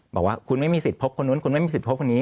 บอกว่าคุณไม่มีสิทธิพบคนนู้นคุณไม่มีสิทธิพบคนนี้